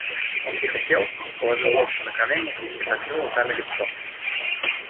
Он тихо сел, положил локти на колени и закрыл руками лицо.